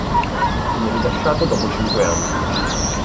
Venne rilasciato dopo cinque anni.